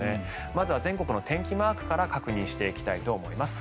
まずは全国の天気マークから確認していきます。